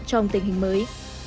trong tình hình mới